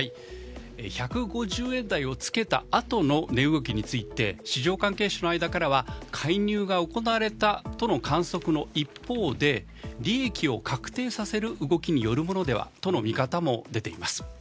１５０円台をつけたあとの値動きについて市場関係者の間からは介入が行われたとの観測の一方で、利益を確定させる動きによるものではとの見方も出ています。